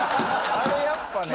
あれやっぱね。